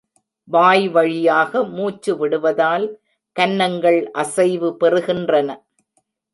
வாய் வழியாக மூச்சு விடுவதால் கன்னங்கள் அசைவு பெறுகின்றன.